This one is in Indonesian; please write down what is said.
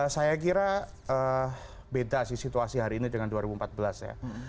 saya kira beda sih situasi hari ini dengan dua ribu empat belas ya